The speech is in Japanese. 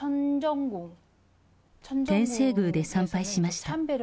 天正宮で参拝しました。